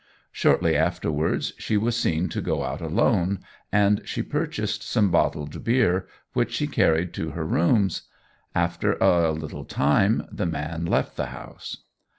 Shortly afterwards she was seen to go out alone, and she purchased some bottled beer, which she carried to her rooms. After a little time the man left the house.